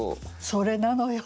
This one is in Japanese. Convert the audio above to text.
それなのよ。